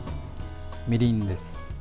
みりんです。